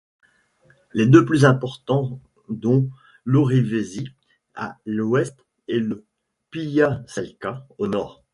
Les deux plus importants dont l'Orivesi à l'ouest et le Pyhäselkä au nord.